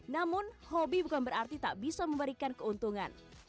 namun hobi bukan berarti tak bisa memberikan keuntungan